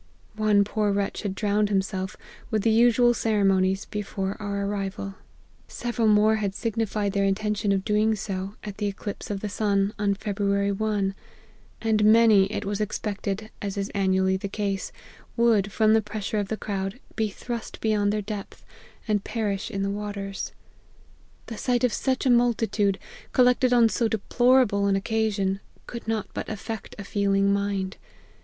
One poor wretch had drowned himself, with the usual ceremonies, before our arrival. Several more 212 APPENDIX. had signified their intention of doing so, at the eclipse of the sun, on February 1 ; and many, it was expected, as is annually the case, would, from the pressure of the crowd, be thrust beyond their depth, and perish in the waters. The sight of such a multitude, collected on so deplorable an occasion, could not but affect a feeling mind.